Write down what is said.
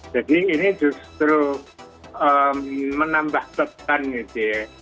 jadi ini justru menambah tekan gitu ya